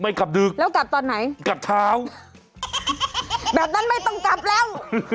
กลับดึกแล้วกลับตอนไหนกลับเช้าแบบนั้นไม่ต้องกลับแล้ว